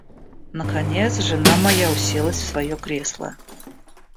Наконец, жена моя уселась в своё кресло.